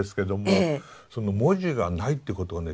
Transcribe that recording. その文字がないってことはね